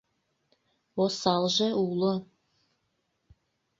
Осалже уло...